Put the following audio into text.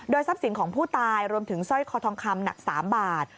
ทรัพย์สินของผู้ตายรวมถึงสร้อยคอทองคำหนัก๓บาท